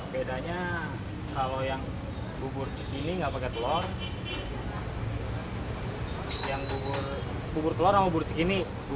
bedanya kalau yang bubur cikini